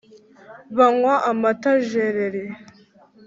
banywa amata jereri